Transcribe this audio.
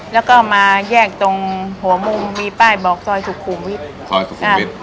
แล้วก็มาแยกตรงหัวมุมมีป้ายบอกซอยสุขุมวิทย์ซอยสุขุมวิทย